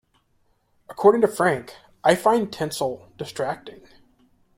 According to Frank, I find tinsel distracting.